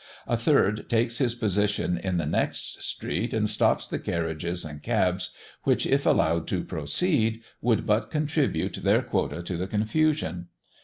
A third takes his position in the next street, and stops the carriages and cabs which, if allowed to proceed, would but contribute their quota to the confusion.